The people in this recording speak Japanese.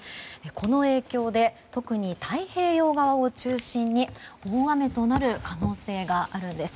この影響で特に太平洋側を中心に大雨となる可能性があるんです。